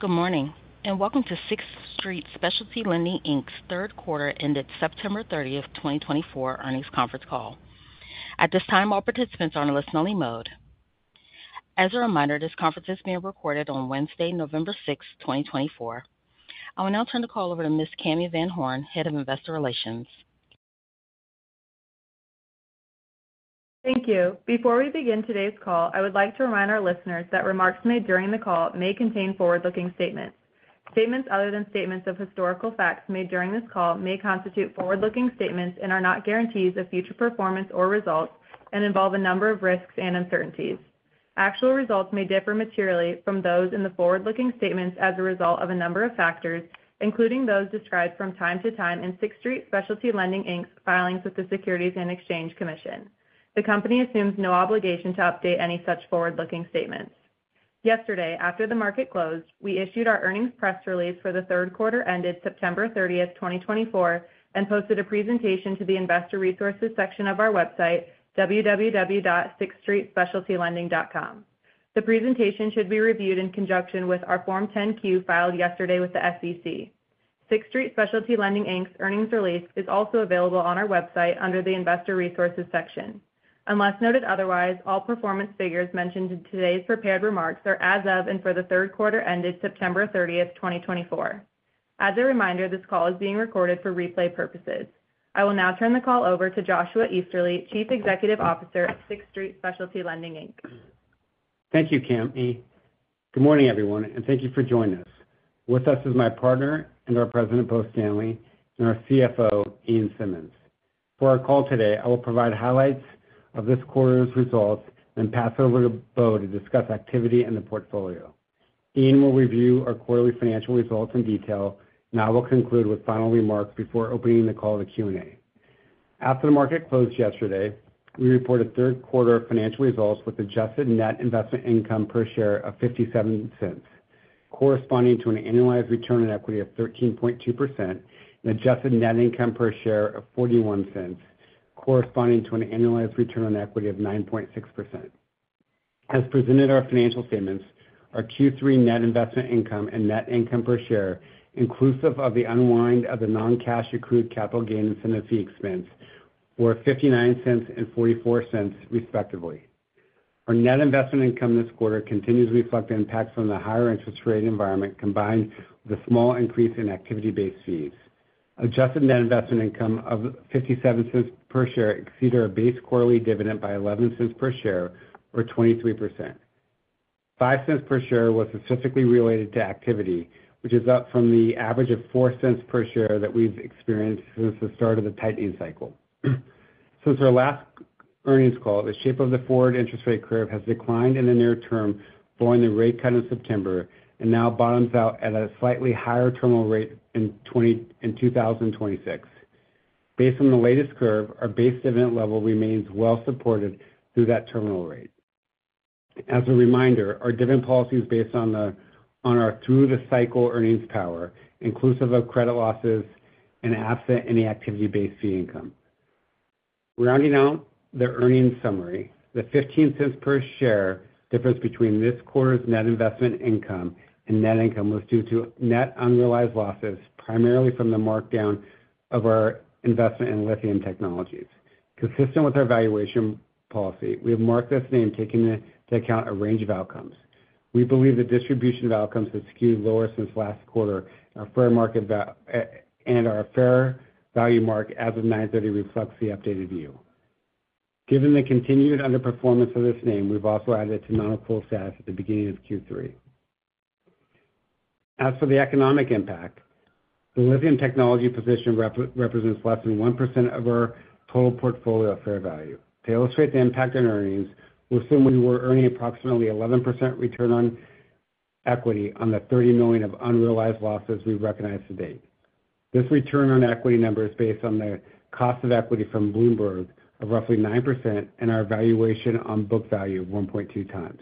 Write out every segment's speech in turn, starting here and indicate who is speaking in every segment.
Speaker 1: Good morning and welcome to Sixth Street Specialty Lending Inc.'s third quarter ended September 30th, 2024 earnings conference call. At this time, all participants are in a listen-only mode. As a reminder, this conference is being recorded on Wednesday, November 6th, 2024. I will now turn the call over to Ms. Cami VanHorn, Head of Investor Relations.
Speaker 2: Thank you. Before we begin today's call, I would like to remind our listeners that remarks made during the call may contain forward-looking statements. Statements other than statements of historical facts made during this call may constitute forward-looking statements and are not guarantees of future performance or results and involve a number of risks and uncertainties. Actual results may differ materially from those in the forward-looking statements as a result of a number of factors, including those described from time to time in Sixth Street Specialty Lending Inc.'s filings with the Securities and Exchange Commission. The company assumes no obligation to update any such forward-looking statements. Yesterday, after the market closed, we issued our earnings press release for the third quarter ended September 30th, 2024, and posted a presentation to the Investor Resources section of our website, www.sixthstreetspecialtylending.com. The presentation should be reviewed in conjunction with our Form 10-Q filed yesterday with the SEC. Sixth Street Specialty Lending Inc.'s earnings release is also available on our website under the Investor Resources section. Unless noted otherwise, all performance figures mentioned in today's prepared remarks are as of and for the third quarter ended September 30th, 2024. As a reminder, this call is being recorded for replay purposes. I will now turn the call over to Joshua Easterly, Chief Executive Officer at Sixth Street Specialty Lending Inc.
Speaker 3: Thank you, Cami. Good morning, everyone, and thank you for joining us. With us is my partner and our President, Bo Stanley, and our CFO, Ian Simmonds. For our call today, I will provide highlights of this quarter's results and pass over to Bo to discuss activity in the portfolio. Ian will review our quarterly financial results in detail, and I will conclude with final remarks before opening the call to Q&A. After the market closed yesterday, we reported third quarter financial results with adjusted net investment income per share of $0.57, corresponding to an annualized return on equity of 13.2%, and adjusted net income per share of $0.41, corresponding to an annualized return on equity of 9.6%. As presented in our financial statements, our Q3 net investment income and net income per share, inclusive of the unwind of the non-cash accrued capital gain incentive fee expense, were $0.59 and $0.44, respectively. Our net investment income this quarter continues to reflect the impacts from the higher interest rate environment combined with a small increase in activity-based fees. Adjusted net investment income of $0.57 per share exceeded our base quarterly dividend by $0.11 per share, or 23%. $0.05 per share was specifically related to activity, which is up from the average of $0.04 per share that we've experienced since the start of the tightening cycle. Since our last earnings call, the shape of the forward interest rate curve has declined in the near term following the rate cut in September and now bottoms out at a slightly higher terminal rate in 2026. Based on the latest curve, our base dividend level remains well supported through that terminal rate. As a reminder, our dividend policy is based on our through-the-cycle earnings power, inclusive of credit losses and absent any activity-based fee income. Rounding out the earnings summary, the $0.15 per share difference between this quarter's net investment income and net income was due to net unrealized losses primarily from the markdown of our investment in Lithium Technologies. Consistent with our valuation policy, we have marked this name taking into account a range of outcomes. We believe the distribution of outcomes has skewed lower since last quarter, and our fair value mark as of 9/30 reflects the updated view. Given the continued underperformance of this name, we've also added it to non-accrual status at the beginning of Q3. As for the economic impact, the Lithium Technologies position represents less than 1% of our total portfolio fair value. To illustrate the impact on earnings, we assume we were earning approximately 11% return on equity on the $30 million of unrealized losses we've recognized to date. This return on equity number is based on the cost of equity from Bloomberg of roughly 9% and our valuation on book value of 1.2 times.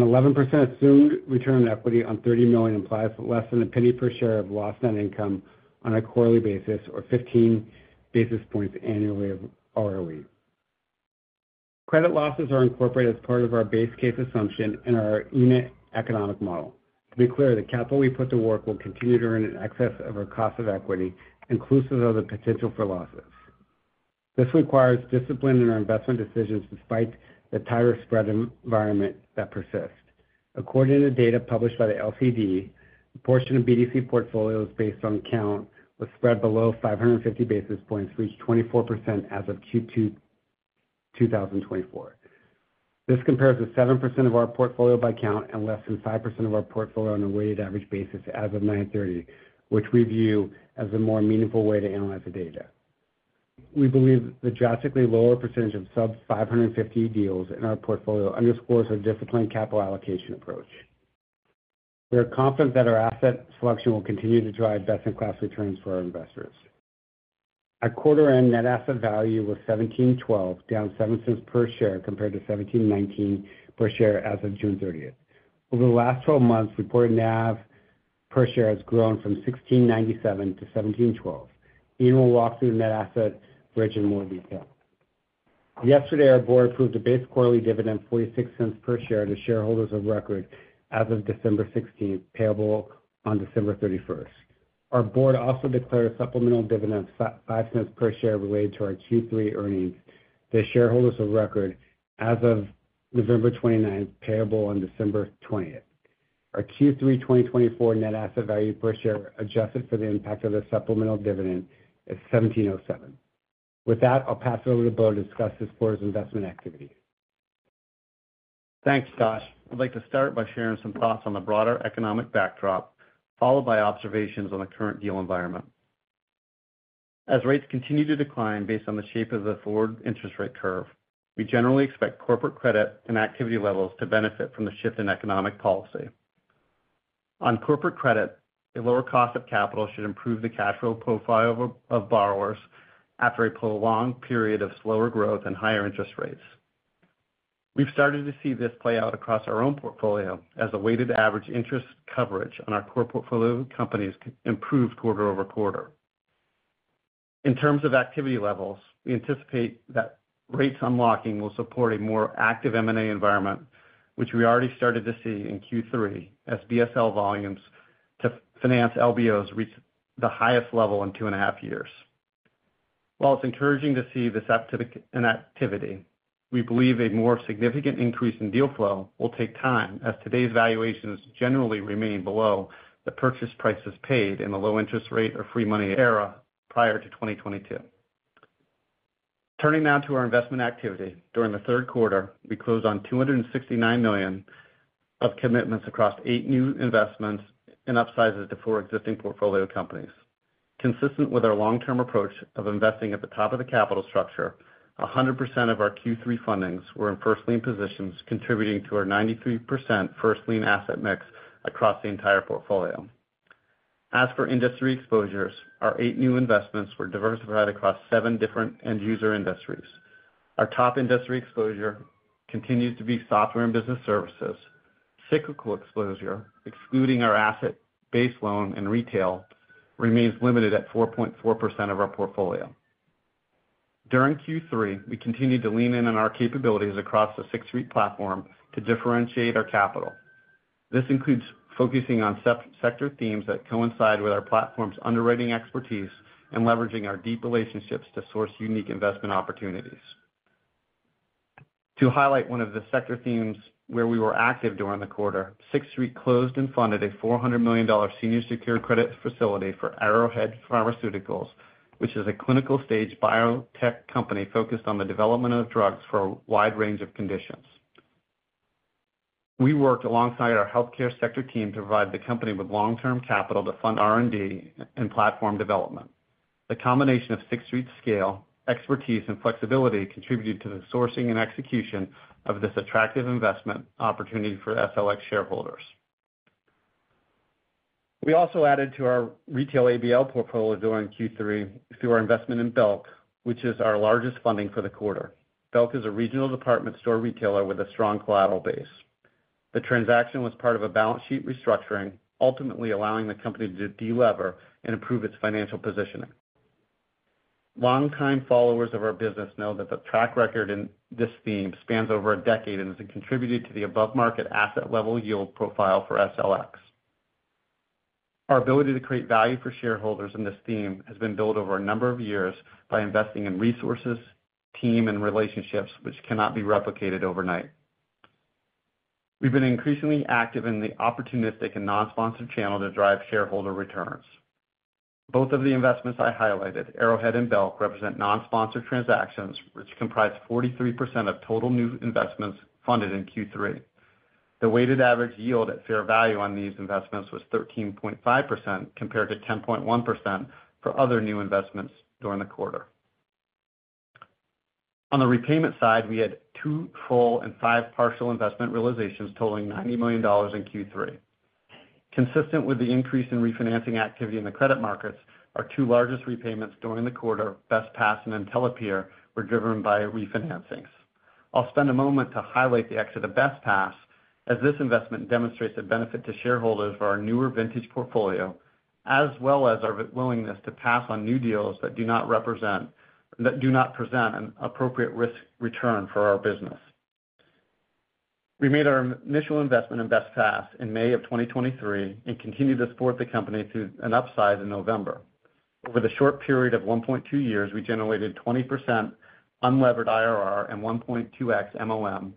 Speaker 3: An 11% assumed return on equity on $30 million implies less than a penny per share of lost net income on a quarterly basis, or 15 basis points annually of ROE. Credit losses are incorporated as part of our base case assumption in our unit economic model. To be clear, the capital we put to work will continue to earn in excess of our cost of equity, inclusive of the potential for losses. This requires discipline in our investment decisions despite the tighter spread environment that persists. According to data published by the LCD, the portion of BDC portfolio is based on count with spread below 550 basis points reached 24% as of Q2 2024. This compares to 7% of our portfolio by count and less than 5% of our portfolio on a weighted average basis as of 9/30, which we view as a more meaningful way to analyze the data. We believe the drastically lower percentage of sub-550 deals in our portfolio underscores our disciplined capital allocation approach. We are confident that our asset selection will continue to drive best-in-class returns for our investors. At quarter-end, net asset value was $1,712, down $0.07 per share compared to $1,719 per share as of June 30th. Over the last 12 months, reported NAV per share has grown from $1,697 to $1,712. Ian will walk through the net asset bridge in more detail. Yesterday, our board approved a base quarterly dividend of $0.46 per share to shareholders of record as of December 16th, payable on December 31st. Our board also declared a supplemental dividend of $0.05 per share related to our Q3 earnings to shareholders of record as of November 29th, payable on December 20th. Our Q3 2024 net asset value per share, adjusted for the impact of the supplemental dividend, is $1,707. With that, I'll pass it over to Bo to discuss this quarter's investment activity.
Speaker 4: Thanks, Josh. I'd like to start by sharing some thoughts on the broader economic backdrop, followed by observations on the current deal environment. As rates continue to decline based on the shape of the forward interest rate curve, we generally expect corporate credit and activity levels to benefit from the shift in economic policy. On corporate credit, a lower cost of capital should improve the cash flow profile of borrowers after a prolonged period of slower growth and higher interest rates. We've started to see this play out across our own portfolio as the weighted average interest coverage on our core portfolio companies improves quarter over quarter. In terms of activity levels, we anticipate that rates unlocking will support a more active M&A environment, which we already started to see in Q3 as BSL volumes to finance LBOs reach the highest level in two and a half years. While it's encouraging to see this activity, we believe a more significant increase in deal flow will take time as today's valuations generally remain below the purchase prices paid in the low interest rate or free money era prior to 2022. Turning now to our investment activity, during the third quarter, we closed on $269 million of commitments across eight new investments and upsizes to four existing portfolio companies. Consistent with our long-term approach of investing at the top of the capital structure, 100% of our Q3 fundings were in first lien positions, contributing to our 93% first lien asset mix across the entire portfolio. As for industry exposures, our eight new investments were diversified across seven different end-user industries. Our top industry exposure continues to be software and business services. Cyclical exposure, excluding our asset-based loan and retail, remains limited at 4.4% of our portfolio. During Q3, we continued to lean in on our capabilities across the Sixth Street platform to differentiate our capital. This includes focusing on sector themes that coincide with our platform's underwriting expertise and leveraging our deep relationships to source unique investment opportunities. To highlight one of the sector themes where we were active during the quarter, Sixth Street closed and funded a $400 million senior secured credit facility for Arrowhead Pharmaceuticals, which is a clinical stage biotech company focused on the development of drugs for a wide range of conditions. We worked alongside our healthcare sector team to provide the company with long-term capital to fund R&D and platform development. The combination of Sixth Street's scale, expertise, and flexibility contributed to the sourcing and execution of this attractive investment opportunity for TSLX shareholders. We also added to our retail ABL portfolio during Q3 through our investment in Belk, which is our largest funding for the quarter. Belk is a regional department store retailer with a strong collateral base. The transaction was part of a balance sheet restructuring, ultimately allowing the company to delever and improve its financial positioning. Longtime followers of our business know that the track record in this theme spans over a decade and has contributed to the above-market asset-level yield profile for TSLX. Our ability to create value for shareholders in this theme has been built over a number of years by investing in resources, team, and relationships, which cannot be replicated overnight. We've been increasingly active in the opportunistic and non-sponsored channel to drive shareholder returns. Both of the investments I highlighted, Arrowhead and Belk, represent non-sponsored transactions, which comprise 43% of total new investments funded in Q3. The weighted average yield at fair value on these investments was 13.5% compared to 10.1% for other new investments during the quarter. On the repayment side, we had two full and five partial investment realizations totaling $90 million in Q3. Consistent with the increase in refinancing activity in the credit markets, our two largest repayments during the quarter, Bestpass and IntelePeer, were driven by refinancings. I'll spend a moment to highlight the exit of Bestpass, as this investment demonstrates a benefit to shareholders for our newer vintage portfolio, as well as our willingness to pass on new deals that do not present an appropriate risk return for our business. We made our initial investment in Bestpass in May of 2023 and continued to support the company through an upsize in November. Over the short period of 1.2 years, we generated 20% unlevered IRR and 1.2x MoM,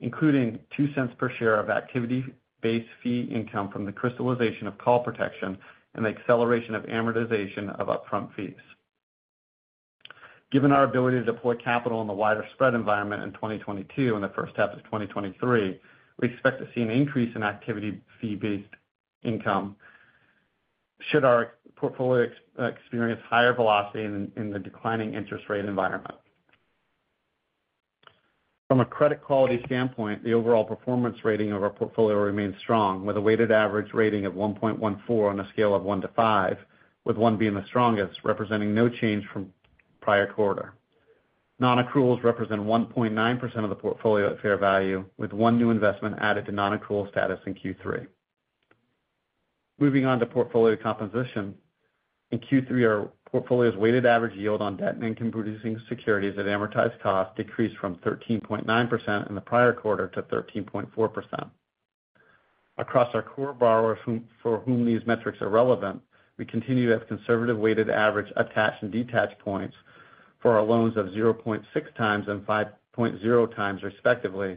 Speaker 4: including $0.02 per share of activity-based fee income from the crystallization of call protection and the acceleration of amortization of upfront fees. Given our ability to deploy capital in the wider spread environment in 2022 and the first half of 2023, we expect to see an increase in activity-fee-based income should our portfolio experience higher velocity in the declining interest rate environment. From a credit quality standpoint, the overall performance rating of our portfolio remains strong, with a weighted average rating of 1.14 on a scale of 1-5, with 1 being the strongest, representing no change from prior quarter. Non-accruals represent 1.9% of the portfolio at fair value, with one new investment added to non-accrual status in Q3. Moving on to portfolio composition, in Q3, our portfolio's weighted average yield on debt and income-producing securities at amortized cost decreased from 13.9% in the prior quarter to 13.4%. Across our core borrowers for whom these metrics are relevant, we continue to have conservative weighted average attached and detached points for our loans of 0.6 times and 5.0 times, respectively,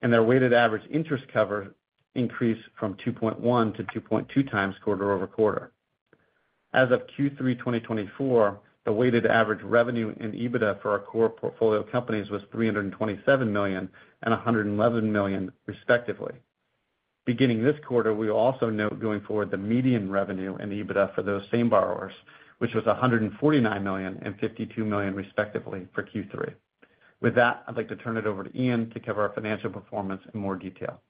Speaker 4: and our weighted average interest coverage increased from 2.1 times to 2.2 times quarter-over-quarter. As of Q3 2024, the weighted average revenue and EBITDA for our core portfolio companies was $327 million and $111 million, respectively. Beginning this quarter, we will also note going forward the median revenue and EBITDA for those same borrowers, which was $149 million and $52 million, respectively, for Q3. With that, I'd like to turn it over to Ian to cover our financial performance in more detail.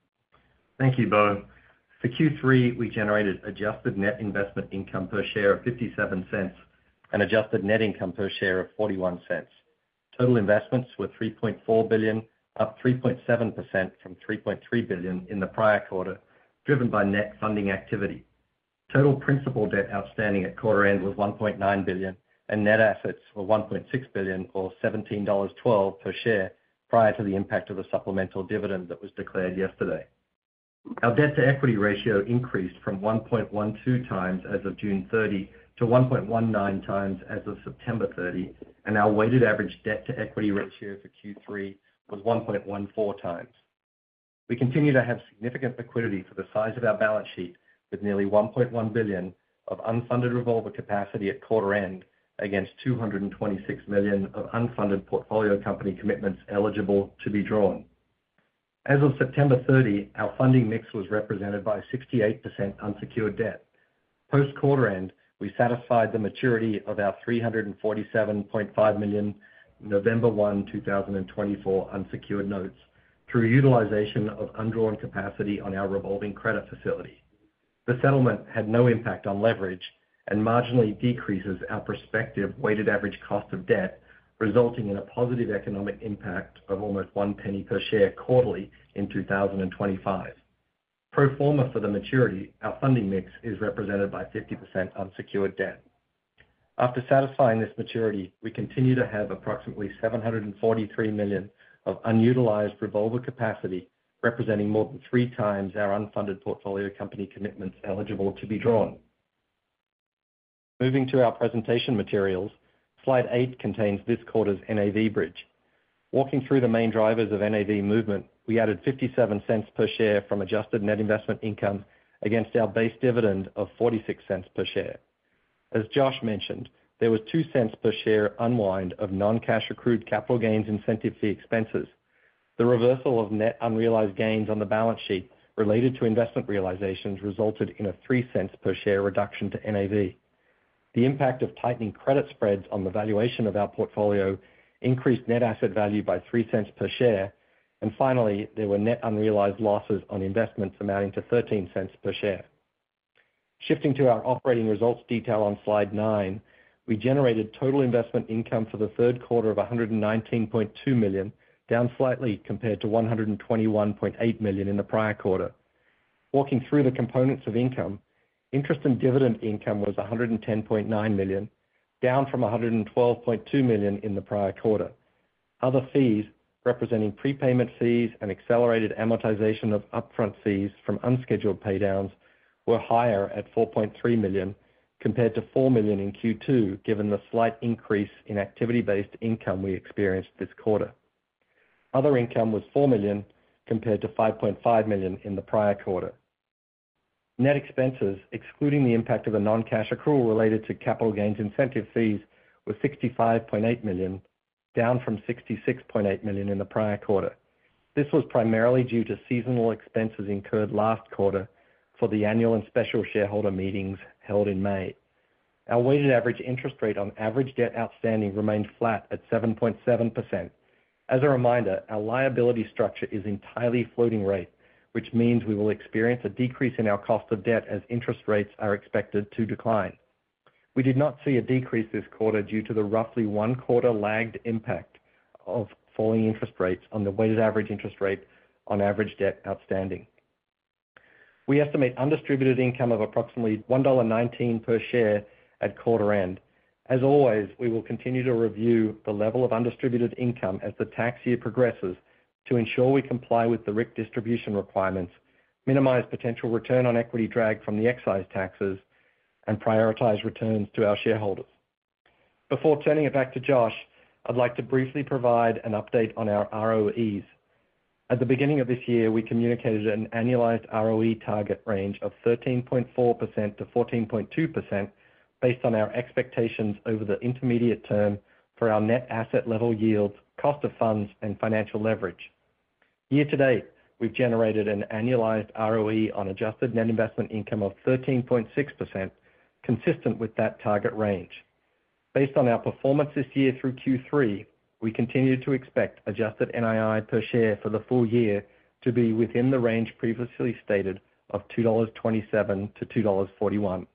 Speaker 5: Thank you, Bo. For Q3, we generated adjusted net investment income per share of $0.57 and adjusted net income per share of $0.41. Total investments were $3.4 billion, up 3.7% from $3.3 billion in the prior quarter, driven by net funding activity. Total principal debt outstanding at quarter-end was $1.9 billion, and net assets were $1.6 billion, or $17.12 per share, prior to the impact of the supplemental dividend that was declared yesterday. Our debt-to-equity ratio increased from 1.12 times as of June 30 to 1.19 times as of September 30, and our weighted average debt-to-equity ratio for Q3 was 1.14 times. We continue to have significant liquidity for the size of our balance sheet, with nearly $1.1 billion of unfunded revolver capacity at quarter-end against $226 million of unfunded portfolio company commitments eligible to be drawn. As of September 30, our funding mix was represented by 68% unsecured debt. Post-quarter-end, we satisfied the maturity of our $347.5 million November 1, 2024, unsecured notes through utilization of undrawn capacity on our revolving credit facility. The settlement had no impact on leverage and marginally decreases our prospective weighted average cost of debt, resulting in a positive economic impact of almost $0.01 per share quarterly in 2025. Pro forma for the maturity, our funding mix is represented by 50% unsecured debt. After satisfying this maturity, we continue to have approximately $743 million of unutilized revolver capacity, representing more than three times our unfunded portfolio company commitments eligible to be drawn. Moving to our presentation materials, slide 8 contains this quarter's NAV bridge. Walking through the main drivers of NAV movement, we added $0.57 per share from adjusted net investment income against our base dividend of $0.46 per share. As Josh mentioned, there was $0.02 per share unwind of non-cash accrued capital gains incentive fee expenses. The reversal of net unrealized gains on the balance sheet related to investment realizations resulted in a $0.03 per share reduction to NAV. The impact of tightening credit spreads on the valuation of our portfolio increased net asset value by $0.03 per share, and finally, there were net unrealized losses on investments amounting to $0.13 per share. Shifting to our operating results detail on slide 9, we generated total investment income for the third quarter of $119.2 million, down slightly compared to $121.8 million in the prior quarter. Walking through the components of income, interest and dividend income was $110.9 million, down from $112.2 million in the prior quarter. Other fees, representing prepayment fees and accelerated amortization of upfront fees from unscheduled paydowns, were higher at $4.3 million compared to $4 million in Q2, given the slight increase in activity-based income we experienced this quarter. Other income was $4 million compared to $5.5 million in the prior quarter. Net expenses, excluding the impact of a non-cash accrual related to capital gains incentive fees, were $65.8 million, down from $66.8 million in the prior quarter. This was primarily due to seasonal expenses incurred last quarter for the annual and special shareholder meetings held in May. Our weighted average interest rate on average debt outstanding remained flat at 7.7%. As a reminder, our liability structure is entirely floating rate, which means we will experience a decrease in our cost of debt as interest rates are expected to decline. We did not see a decrease this quarter due to the roughly one-quarter lagged impact of falling interest rates on the weighted average interest rate on average debt outstanding. We estimate undistributed income of approximately $1.19 per share at quarter-end. As always, we will continue to review the level of undistributed income as the tax year progresses to ensure we comply with the RIC distribution requirements, minimize potential return on equity drag from the excise taxes, and prioritize returns to our shareholders. Before turning it back to Josh, I'd like to briefly provide an update on our ROEs. At the beginning of this year, we communicated an annualized ROE target range of 13.4%-14.2% based on our expectations over the intermediate term for our net asset-level yields, cost of funds, and financial leverage. Year to date, we've generated an annualized ROE on adjusted net investment income of 13.6%, consistent with that target range. Based on our performance this year through Q3, we continue to expect adjusted NII per share for the full year to be within the range previously stated of $2.27-$2.41.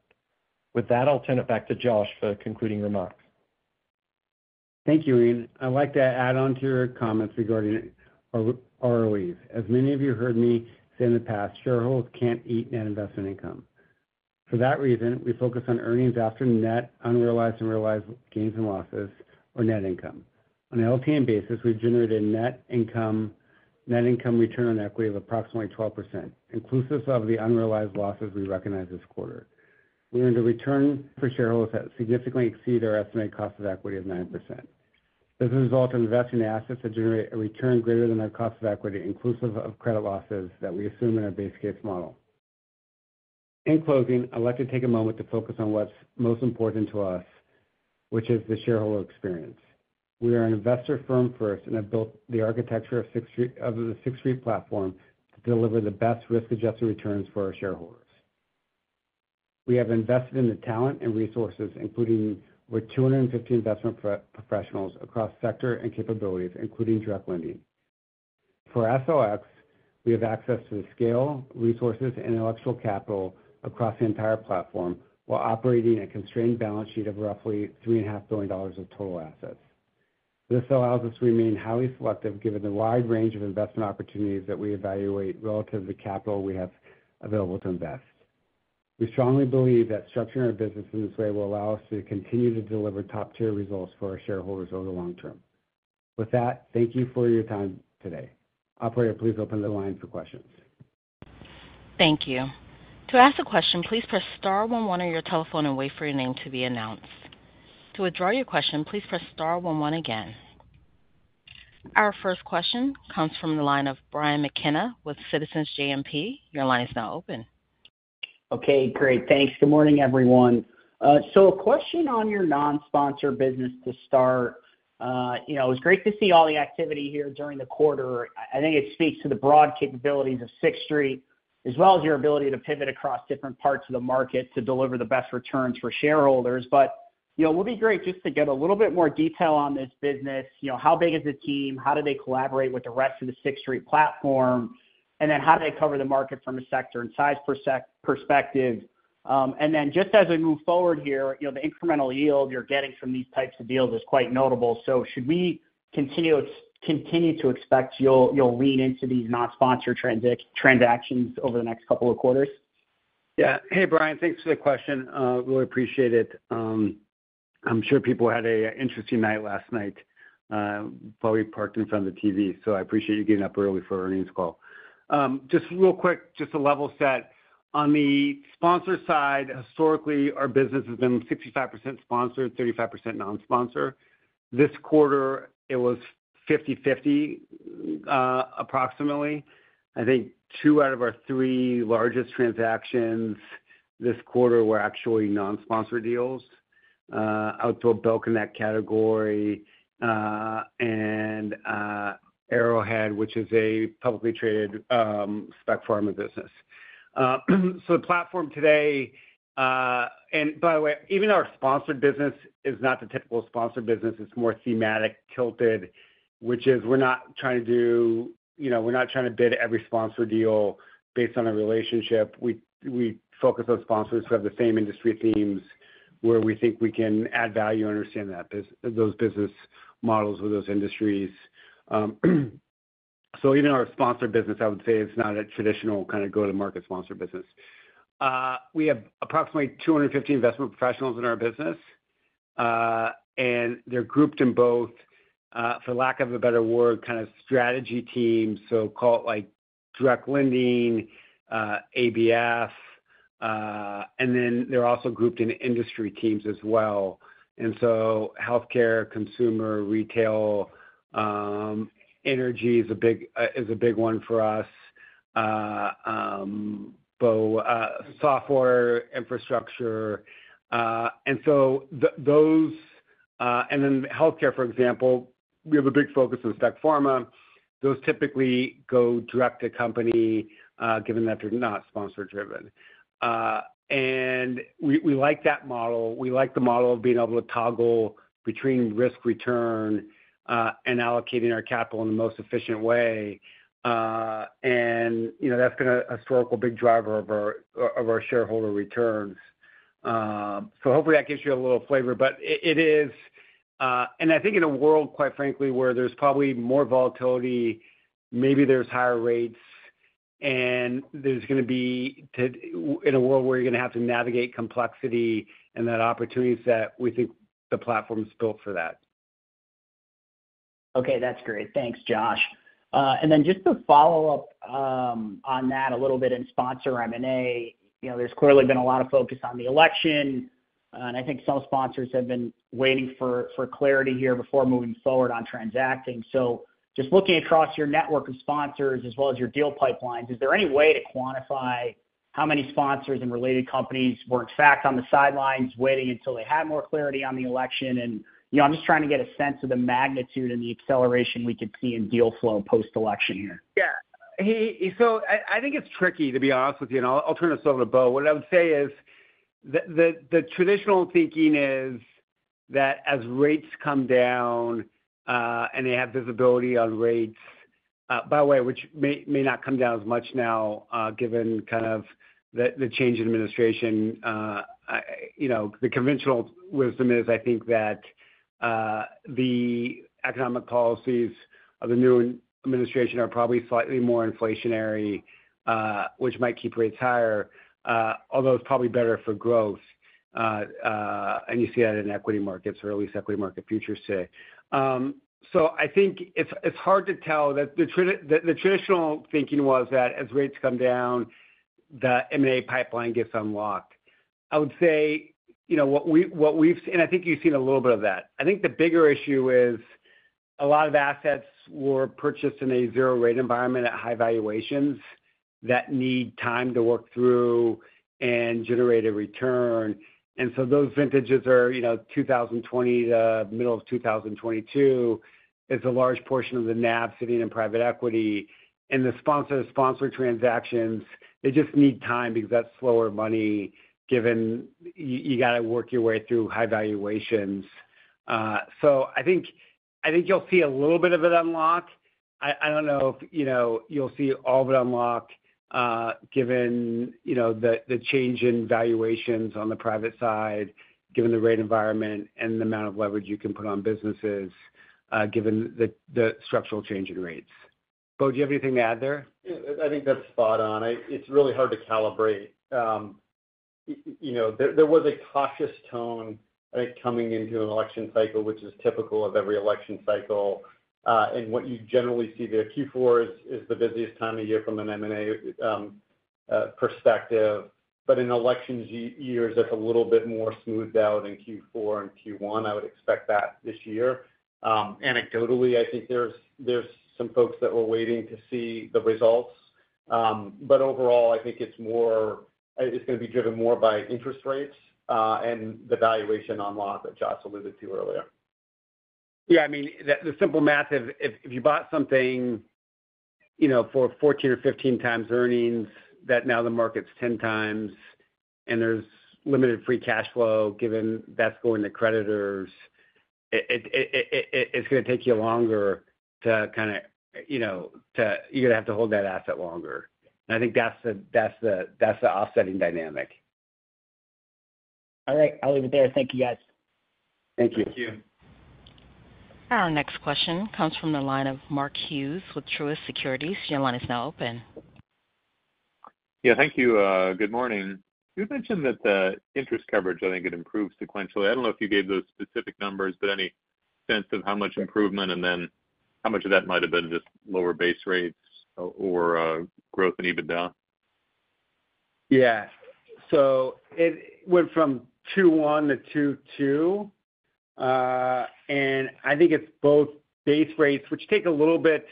Speaker 5: With that, I'll turn it back to Josh for concluding remarks.
Speaker 3: Thank you, Ian. I'd like to add on to your comments regarding ROEs. As many of you heard me say in the past, shareholders can't eat net investment income. For that reason, we focus on earnings after net unrealized and realized gains and losses, or net income. On an LTM basis, we've generated net income return on equity of approximately 12%, inclusive of the unrealized losses we recognize this quarter. We earned a return for shareholders that significantly exceed our estimated cost of equity of 9%. This results in investing in assets that generate a return greater than our cost of equity, inclusive of credit losses that we assume in our base case model. In closing, I'd like to take a moment to focus on what's most important to us, which is the shareholder experience. We are an investor-first firm and have built the architecture of the Sixth Street Platform to deliver the best risk-adjusted returns for our shareholders. We have invested in the talent and resources, including with 250 investment professionals across sector and capabilities, including direct lending. For TSLX, we have access to the scale, resources, and intellectual capital across the entire platform while operating a constrained balance sheet of roughly $3.5 billion of total assets. This allows us to remain highly selective given the wide range of investment opportunities that we evaluate relative to the capital we have available to invest. We strongly believe that structuring our business in this way will allow us to continue to deliver top-tier results for our shareholders over the long term. With that, thank you for your time today. Operator, please open the line for questions.
Speaker 1: Thank you. To ask a question, please press star one one on your telephone and wait for your name to be announced. To withdraw your question, please press star one one again. Our first question comes from the line of Brian McKenna with Citizens JMP. Your line is now open.
Speaker 6: Okay, great. Thanks. Good morning, everyone. So a question on your non-sponsored business to start. It was great to see all the activity here during the quarter. I think it speaks to the broad capabilities of Sixth Street, as well as your ability to pivot across different parts of the market to deliver the best returns for shareholders. But it would be great just to get a little bit more detail on this business. How big is the team? How do they collaborate with the rest of the Sixth Street Platform? And then how do they cover the market from a sector and size perspective? And then just as we move forward here, the incremental yield you're getting from these types of deals is quite notable. So should we continue to expect you'll lean into these non-sponsored transactions over the next couple of quarters?
Speaker 3: Yeah. Hey, Brian. Thanks for the question. Really appreciate it. I'm sure people had an interesting night last night while we parked in front of the TV, so I appreciate you getting up early for our earnings call. Just real quick, just to level set, on the sponsor side, historically, our business has been 65% sponsored, 35% non-sponsored. This quarter, it was 50/50, approximately. I think two out of our three largest transactions this quarter were actually non-sponsored deals out to a Belk in that category and Arrowhead, which is a publicly traded spec pharma business. So the platform today and, by the way, even our sponsored business is not the typical sponsored business. It's more thematic, tilted, which is we're not trying to do. We're not trying to bid every sponsored deal based on a relationship. We focus on sponsors who have the same industry themes where we think we can add value and understand those business models with those industries. So even our sponsored business, I would say, is not a traditional kind of go-to-market sponsored business. We have approximately 250 investment professionals in our business, and they're grouped in both, for lack of a better word, kind of strategy teams, so-called like direct lending, ABL, and then they're also grouped in industry teams as well. And so healthcare, consumer, retail, energy is a big one for us, software infrastructure. And then healthcare, for example, we have a big focus on spec pharma. Those typically go direct to company, given that they're not sponsor-driven. And we like that model. We like the model of being able to toggle between risk, return, and allocating our capital in the most efficient way. And that's been a historical big driver of our shareholder returns. So hopefully, that gives you a little flavor. But it is, and I think in a world, quite frankly, where there's probably more volatility, maybe there's higher rates, and there's going to be, in a world where you're going to have to navigate complexity and that opportunity set, we think the platform is built for that.
Speaker 6: Okay, that's great. Thanks, Josh. And then just to follow up on that a little bit in sponsor M&A, there's clearly been a lot of focus on the election, and I think some sponsors have been waiting for clarity here before moving forward on transacting. So just looking across your network of sponsors as well as your deal pipelines, is there any way to quantify how many sponsors and related companies were, in fact, on the sidelines waiting until they had more clarity on the election? And I'm just trying to get a sense of the magnitude and the acceleration we could see in deal flow post-election here.
Speaker 3: Yeah. So I think it's tricky, to be honest with you, and I'll turn this over to Bo. What I would say is the traditional thinking is that as rates come down and they have visibility on rates, by the way, which may not come down as much now given kind of the change in administration. The conventional wisdom is I think that the economic policies of the new administration are probably slightly more inflationary, which might keep rates higher, although it's probably better for growth, and you see that in equity markets or at least equity market futures today, so I think it's hard to tell. The traditional thinking was that as rates come down, the M&A pipeline gets unlocked. I would say what we've seen, and I think you've seen a little bit of that. I think the bigger issue is a lot of assets were purchased in a zero-rate environment at high valuations that need time to work through and generate a return. And so those vintages are 2020 to middle of 2022 is a large portion of the NAV sitting in private equity. And the sponsor-to-sponsor transactions, they just need time because that's slower money given you got to work your way through high valuations. So I think you'll see a little bit of it unlocked. I don't know if you'll see all of it unlocked given the change in valuations on the private side, given the rate environment and the amount of leverage you can put on businesses, given the structural change in rates. Bo, do you have anything to add there?
Speaker 4: I think that's spot on. It's really hard to calibrate. There was a cautious tone, I think, coming into an election cycle, which is typical of every election cycle. And what you generally see there, Q4 is the busiest time of year from an M&A perspective. But in election years, that's a little bit more smoothed out in Q4 and Q1. I would expect that this year. Anecdotally, I think there's some folks that were waiting to see the results. But overall, I think it's going to be driven more by interest rates and the valuation unlock that Josh alluded to earlier.
Speaker 3: Yeah. I mean, the simple math of if you bought something for 14 or 15 times earnings that now the market's 10 times and there's limited free cash flow given that's going to creditors, it's going to take you longer to kind of, you're going to have to hold that asset longer, and I think that's the offsetting dynamic.
Speaker 6: All right. I'll leave it there. Thank you, guys.
Speaker 3: Thank you.
Speaker 4: Thank you.
Speaker 1: Our next question comes from the line of Mark Hughes with Truist Securities. Your line is now open.
Speaker 7: Yeah. Thank you. Good morning. You had mentioned that the interest coverage, I think it improved sequentially. I don't know if you gave those specific numbers, but any sense of how much improvement and then how much of that might have been just lower base rates or growth and even down?
Speaker 3: Yeah, so it went from 2.1 to 2.2, and I think it's both base rates, which take a little bit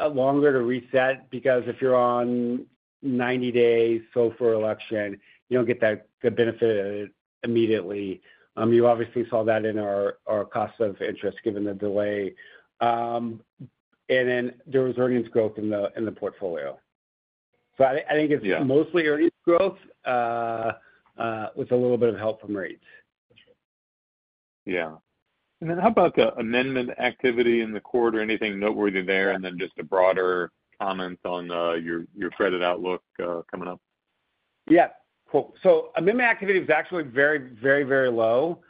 Speaker 3: longer to reset because if you're on 90 days before election, you don't get the benefit of it immediately. You obviously saw that in our cost of interest given the delay, and then there was earnings growth in the portfolio, so I think it's mostly earnings growth with a little bit of help from rates.
Speaker 7: Yeah. And then how about the amendment activity in the quarter? Anything noteworthy there? And then just a broader comment on your credit outlook coming up.
Speaker 3: Yeah. Cool. So amendment activity was actually very, very, very low.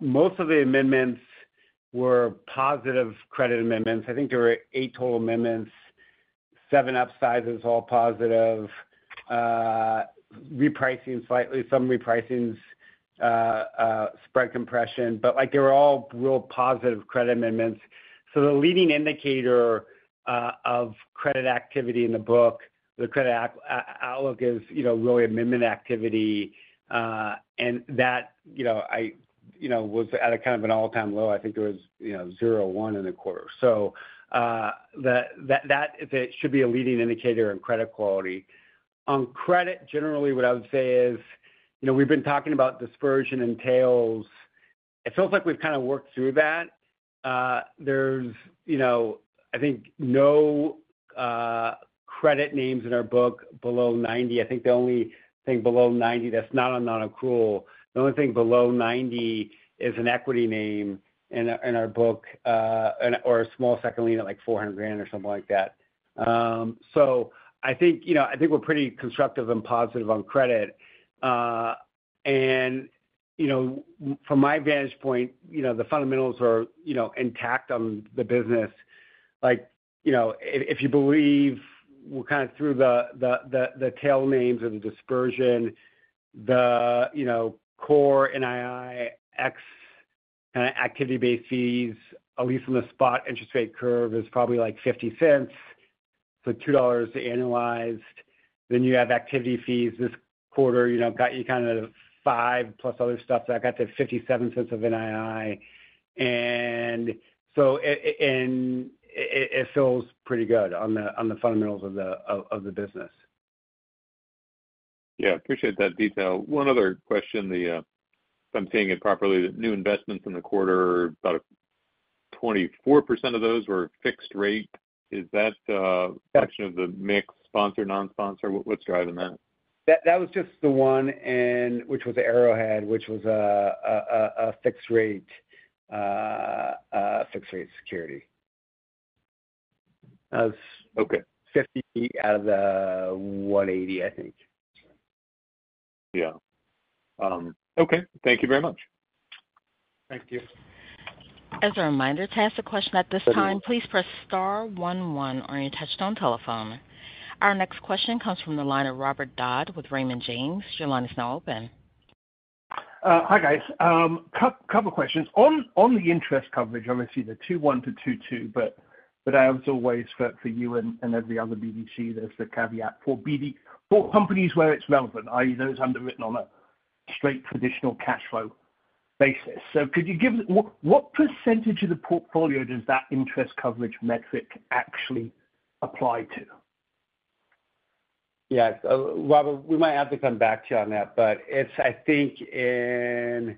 Speaker 3: Most of the amendments were positive credit amendments. I think there were eight total amendments, seven upsizes, all positive, repricing slightly, some repricings, spread compression. But they were all real positive credit amendments. So the leading indicator of credit activity in the book, the credit outlook is really amendment activity. And that was at a kind of an all-time low. I think it was 0.1 in the quarter. So that should be a leading indicator in credit quality. On credit, generally, what I would say is we've been talking about dispersion entails. It feels like we've kind of worked through that. There's, I think, no credit names in our book below 90. I think the only thing below 90 that's not on non-accrual. The only thing below 90 is an equity name in our book or a small second lien at like $400,000 or something like that. I think we're pretty constructive and positive on credit. From my vantage point, the fundamentals are intact on the business. If you believe we're kind of through the tail end of the dispersion, the core NII ex kind of activity-based fees, at least on the spot interest rate curve is probably like $0.50 for $2 annualized. Then you have activity fees this quarter got you kind of 5 plus other stuff that got to $0.57 of NII. It feels pretty good on the fundamentals of the business.
Speaker 7: Yeah. Appreciate that detail. One other question, if I'm seeing it properly, new investments in the quarter, about 24% of those were fixed rate. Is that a portion of the mix? Sponsor, non-sponsor? What's driving that?
Speaker 3: That was just the one, which was Arrowhead, which was a fixed rate security. That was 50 out of the 180, I think.
Speaker 7: Yeah. Okay. Thank you very much.
Speaker 3: Thank you.
Speaker 1: As a reminder to ask the question at this time, please press star one one or your touch-tone telephone. Our next question comes from the line of Robert Dodd with Raymond James. Your line is now open.
Speaker 8: Hi, guys. Couple of questions. On the interest coverage, obviously, the 2.1 to 2.2, but as always, for you and every other BDC, there's the caveat for companies where it's relevant, i.e., those underwritten on a straight traditional cash flow basis. So could you give what percentage of the portfolio does that interest coverage metric actually apply to?
Speaker 3: Yeah. Robert, we might have to come back to you on that. But I think it's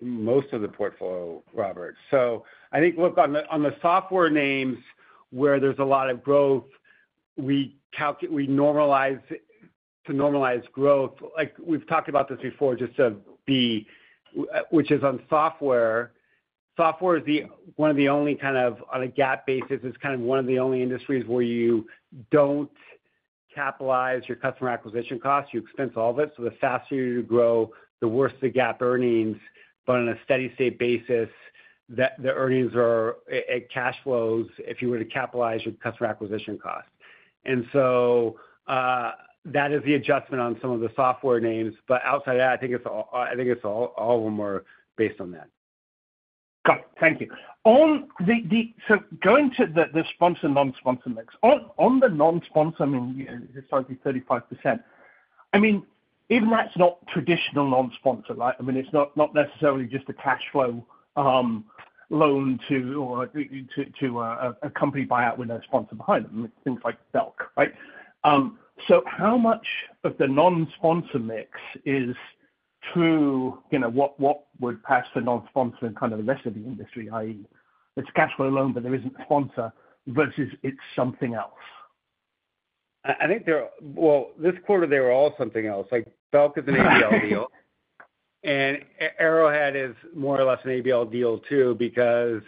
Speaker 3: most of the portfolio, Robert. So I think, look, on the software names where there's a lot of growth, we normalize to normalize growth. We've talked about this before just to be, which is on software. Software is one of the only kind of on a GAAP basis, it's kind of one of the only industries where you don't capitalize your customer acquisition costs. You expense all of it. So the faster you grow, the worse the GAAP earnings. But on a steady-state basis, the earnings are at cash flows if you were to capitalize your customer acquisition cost. And so that is the adjustment on some of the software names. But outside of that, I think it's all of them are based on that.
Speaker 8: Got it. Thank you. So going to the sponsor-non-sponsor mix, on the non-sponsor, I mean, it's 35%. I mean, even that's not traditional non-sponsor, right? I mean, it's not necessarily just a cash flow loan to a company buyout with no sponsor behind them. It's things like Belk, right? So how much of the non-sponsor mix is true? What would pass as non-sponsor and kind of the rest of the industry, i.e., it's a cash flow loan, but there isn't a sponsor versus it's something else?
Speaker 3: I think, well, this quarter, they were all something else. Belk is an ABL deal, and Arrowhead is more or less an ABL deal too because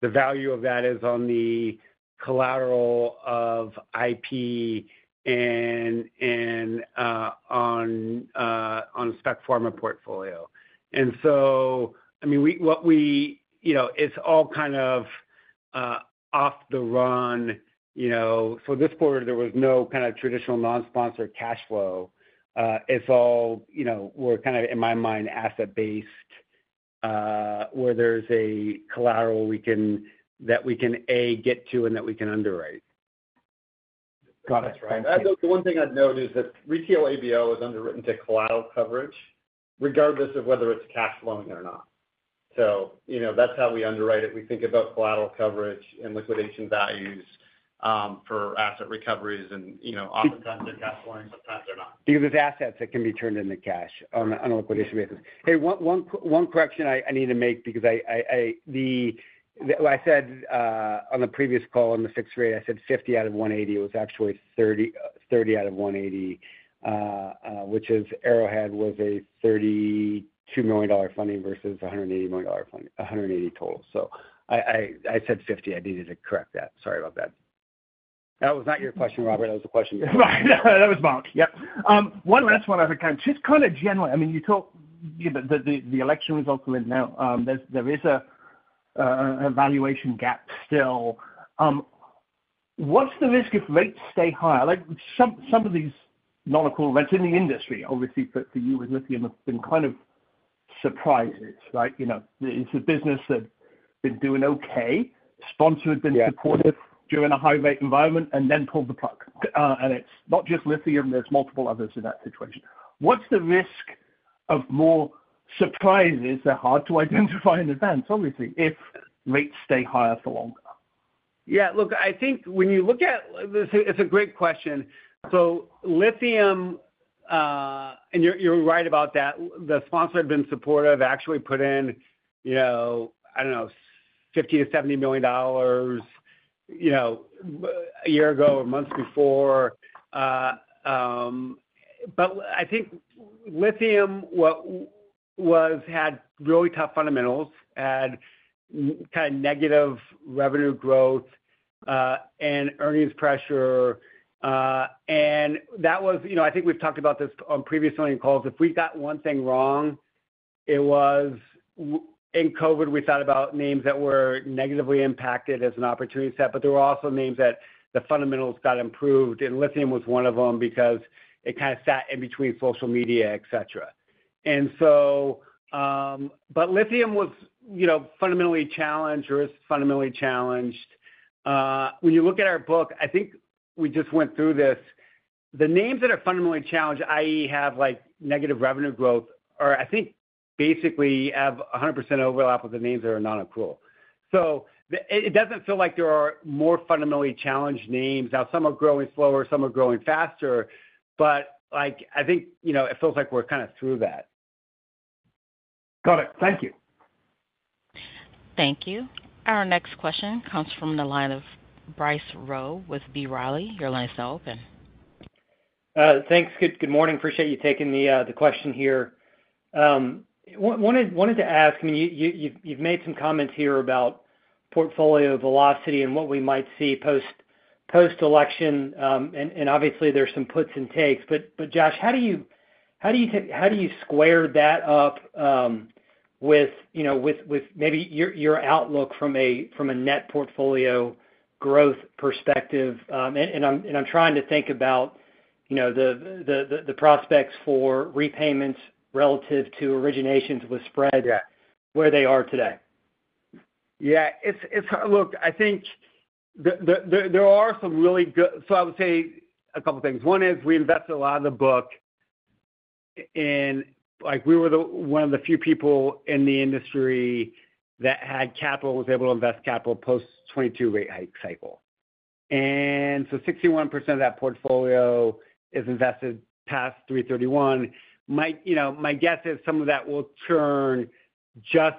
Speaker 3: the value of that is on the collateral of IP and on a spec pharma portfolio, and so, I mean, what we, it's all kind of off the run, so this quarter, there was no kind of traditional non-sponsor cash flow. It's all, we're kind of, in my mind, asset-based where there's a collateral that we can A, get to, and that we can underwrite.
Speaker 8: Got it.
Speaker 3: That's right. The one thing I'd note is that retail ABL is underwritten to collateral coverage, regardless of whether it's cash flowing or not. So that's how we underwrite it. We think about collateral coverage and liquidation values for asset recoveries. And oftentimes, they're cash flowing. Sometimes, they're not. Because it's assets that can be turned into cash on a liquidation basis. Hey, one correction I need to make because I said on the previous call on the fixed rate, I said 50 out of 180. It was actually 30 out of 180, which is Arrowhead was a $32 million funding versus $180 total. So I said 50. I needed to correct that. Sorry about that. That was not your question, Robert. That was a question to you.
Speaker 8: Right. That was Mark.
Speaker 3: Yep.
Speaker 8: One last one I think, kind of just kind of generally. I mean, you talked, the election results are in now. There is a valuation gap still. What's the risk if rates stay high? Some of these non-accrual rates in the industry, obviously, for you with lithium have been kind of surprises, right? It's a business that's been doing okay. Sponsor had been supportive during a high-rate environment and then pulled the plug. And it's not just Lithium. There's multiple others in that situation. What's the risk of more surprises that are hard to identify in advance, obviously, if rates stay higher for longer?
Speaker 3: Yeah. Look, I think when you look at it, it's a great question. So Lithium, and you're right about that. The sponsor had been supportive, actually put in, I don't know, $50 million-$70 million a year ago or months before. But I think Lithium had really tough fundamentals, had kind of negative revenue growth and earnings pressure. And that was, I think we've talked about this on previous calls, if we got one thing wrong, it was in COVID, we thought about names that were negatively impacted as an opportunity set. But there were also names that the fundamentals got improved. And Lithium was one of them because it kind of sat in between social media, etc. And so, but Lithium was fundamentally challenged or is fundamentally challenged. When you look at our book, I think we just went through this, the names that are fundamentally challenged, i.e., have negative revenue growth, or I think basically have 100% overlap with the names that are non-accrual. So it doesn't feel like there are more fundamentally challenged names. Now, some are growing slower, some are growing faster. But I think it feels like we're kind of through that.
Speaker 8: Got it. Thank you.
Speaker 1: Thank you. Our next question comes from the line of Bryce Rowe with B. Riley. Your line is now open.
Speaker 9: Thanks. Good morning. Appreciate you taking the question here. Wanted to ask, I mean, you've made some comments here about portfolio velocity and what we might see post-election. And obviously, there's some puts and takes. But Josh, how do you square that up with maybe your outlook from a net portfolio growth perspective? And I'm trying to think about the prospects for repayments relative to originations with spread where they are today.
Speaker 3: Yeah. Look, I think there are some really good, so I would say a couple of things. One is we invested a lot of the book, and we were one of the few people in the industry that had capital, was able to invest capital post-2022 rate hike cycle, and so 61% of that portfolio is invested past 3/31. My guess is some of that will turn just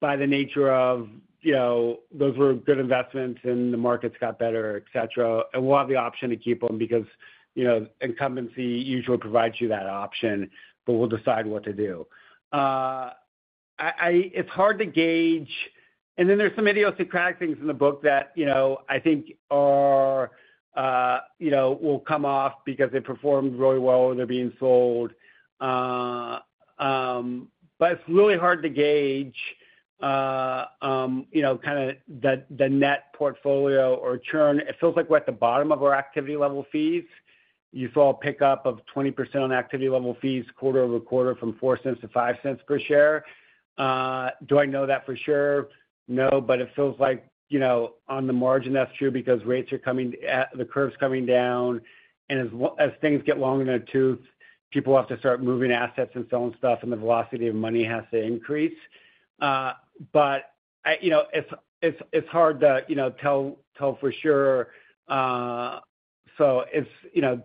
Speaker 3: by the nature of those were good investments and the markets got better, etc., and we'll have the option to keep them because incumbency usually provides you that option, but we'll decide what to do. It's hard to gauge, and then there's some idiosyncratic things in the book that I think will come off because they performed really well or they're being sold, but it's really hard to gauge kind of the net portfolio or turn. It feels like we're at the bottom of our activity-level fees. You saw a pickup of 20% on activity-level fees quarter-over-quarter from $0.04 to $0.05 per share. Do I know that for sure? No, but it feels like on the margin, that's true because rates are coming, the curve's coming down, and as things get long in the tooth, people have to start moving assets and selling stuff, and the velocity of money has to increase, but it's hard to tell for sure. Do I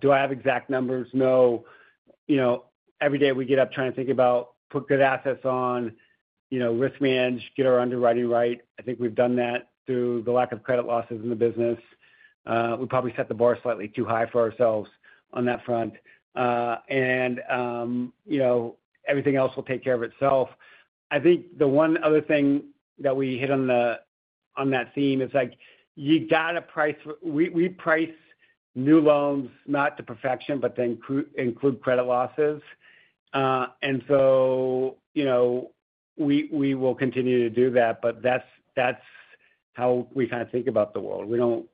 Speaker 3: have exact numbers? No. Every day we get up trying to think about putting good assets on, risk manage, get our underwriting right. I think we've done that through the lack of credit losses in the business. We probably set the bar slightly too high for ourselves on that front, and everything else will take care of itself. I think the one other thing that we hit on that theme is you got to price. We price new loans not to perfection, but then include credit losses. And so we will continue to do that, but that's how we kind of think about the world.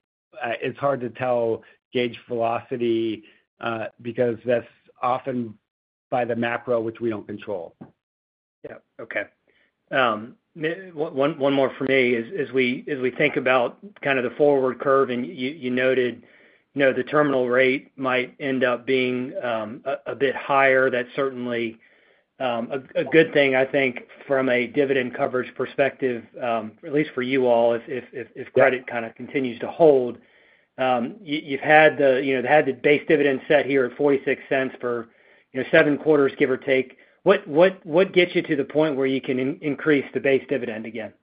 Speaker 3: It's hard to gauge velocity because that's often by the macro, which we don't control.
Speaker 9: Yeah. Okay. One more for me is as we think about kind of the forward curve, and you noted the terminal rate might end up being a bit higher. That's certainly a good thing, I think, from a dividend coverage perspective, at least for you all, if credit kind of continues to hold. You've had the base dividend set here at $0.46 for seven quarters, give or take. What gets you to the point where you can increase the base dividend again?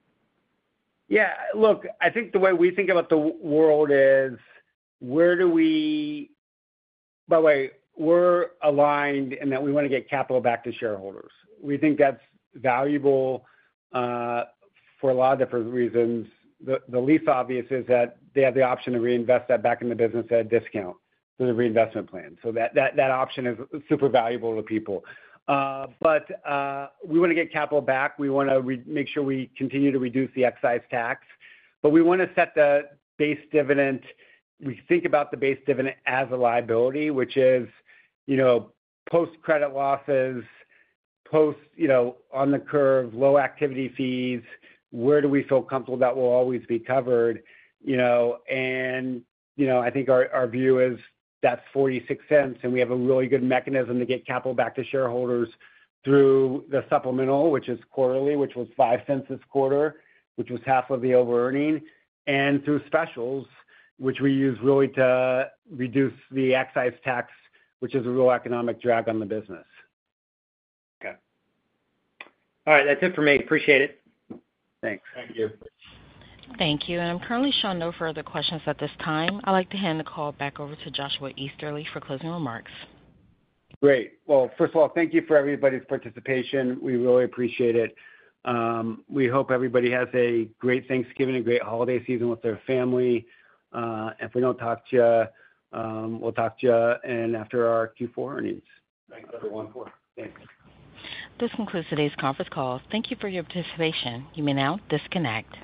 Speaker 3: Yeah. Look, I think the way we think about the world is, where do we, by the way, we're aligned in that we want to get capital back to shareholders. We think that's valuable for a lot of different reasons. The least obvious is that they have the option to reinvest that back in the business at a discount through the reinvestment plan. So that option is super valuable to people. But we want to get capital back. We want to make sure we continue to reduce the excise tax. But we want to set the base dividend. We think about the base dividend as a liability, which is post-credit losses, post-on-the-curve, low activity fees. Where do we feel comfortable that will always be covered? And I think our view is that's $0.46, and we have a really good mechanism to get capital back to shareholders through the supplemental, which is quarterly, which was $0.05 this quarter, which was half of the over-earning, and through specials, which we use really to reduce the excise tax, which is a real economic drag on the business.
Speaker 9: Okay. All right. That's it for me. Appreciate it.
Speaker 3: Thanks.
Speaker 9: Thank you.
Speaker 1: Thank you, and I'm currently showing no further questions at this time. I'd like to hand the call back over to Joshua Easterly for closing remarks.
Speaker 3: Great. Well, first of all, thank you for everybody's participation. We really appreciate it. We hope everybody has a great Thanksgiving and great holiday season with their family. If we don't talk to you, we'll talk to you after our Q4 earnings.
Speaker 4: Thanks, everyone.
Speaker 5: Thanks.
Speaker 1: This concludes today's conference call. Thank you for your participation. You may now disconnect.